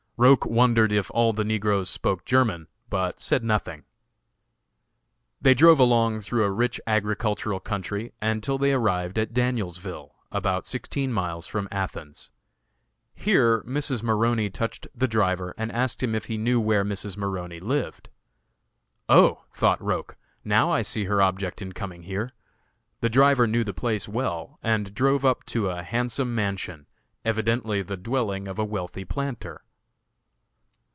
Roch wondered if all the negroes spoke German, but said nothing. They drove along through a rich agricultural country until they arrived at Danielsville, about sixteen miles from Athens. Here Mrs. Maroney touched the driver and asked him if he knew where Mrs. Maroney lived. Oh! thought Roch, now I see her object in coming here. The driver knew the place well, and drove up to a handsome mansion, evidently the dwelling of a wealthy planter.